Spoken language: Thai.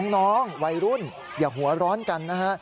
น้องวัยรุ่นอย่าหัวร้อนกันนะฮะ